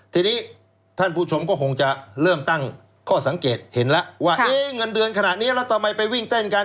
ทีนี้ท่านผู้ชมก็คงจะเริ่มตั้งข้อสังเกตเห็นแล้วว่าเงินเดือนขนาดนี้แล้วทำไมไปวิ่งเต้นกัน